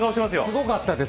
すごかったです。